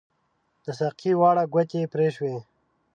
د ساقۍ واړه ګوتې پري شوي